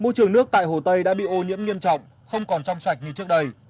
môi trường nước tại hồ tây đã bị ô nhiễm nghiêm trọng không còn trong sạch như trước đây